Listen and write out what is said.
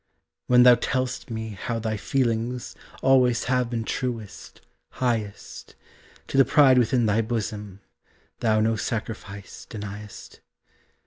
When thou tell'st me how thy feelings Always have been truest, highest, To the pride within thy bosom Thou no sacrifice denyest.